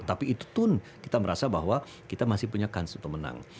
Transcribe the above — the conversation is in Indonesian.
tapi itu pun kita merasa bahwa kita masih punya kans untuk menang